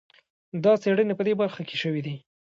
دا څېړنې په دې برخه کې شوي دي.